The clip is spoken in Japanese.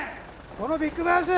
このビッグマウス！